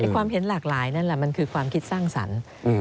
ความเห็นหลากหลายนั่นแหละมันคือความคิดสร้างสรรค์